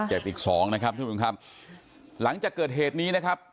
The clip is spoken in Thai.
เจ็บอีกสองนะครับทุกผู้ชมครับหลังจากเกิดเหตุนี้นะครับ